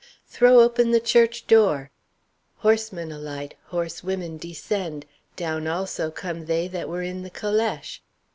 Throw open the church door! Horsemen alight, horsewomen descend; down, also, come they that were in the calèche.